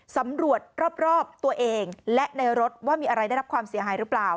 สำรวจรอบตัวเองและในรถว่ามีอะไรได้รับความเสียหายหรือเปล่า